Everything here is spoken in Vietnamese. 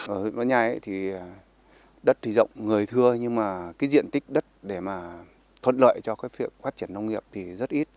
ở huyện võ nhai đất thì rộng người thưa nhưng mà diện tích đất để thuận lợi cho phát triển nông nghiệp thì rất ít